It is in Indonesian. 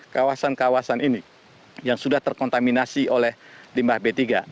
kawasan kawasan ini yang sudah terkontaminasi oleh limbah b tiga